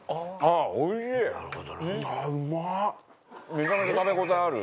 めちゃめちゃ食べ応えある。